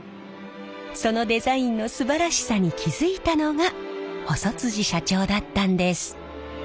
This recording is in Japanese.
そのデザインのすばらしさに気付いたのが細社長だったんです。